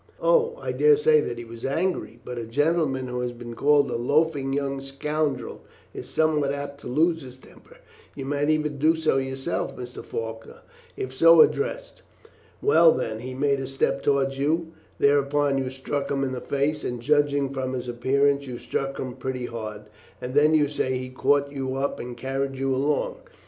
"Oh, I dare say that he was angry, but a gentleman who has been called a loafing young scoundrel is somewhat apt to lose his temper. You might even do so yourself, Mr. Faulkner, if so addressed. Well, then, he made a step towards you; thereupon you struck him in the face, and judging from his appearance you struck him pretty hard, and then you say he caught you up and carried you along.